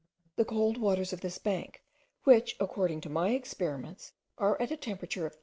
The cold waters of this bank, which according to my experiments are at a temperature of 8.